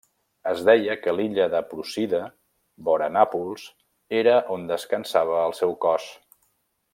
Es deia que l'illa de Procida, vora Nàpols, era on descansava el seu cos.